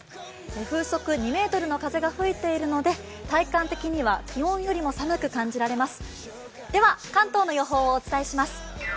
風速２メートルの風が吹いているので、体感的には気温よりも寒く感じられます。